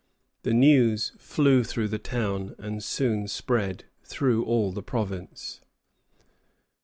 The news flew through the town, and soon spread through all the province.